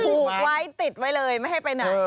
ผูกไว้ติดไว้เลยไม่ให้ไปไหน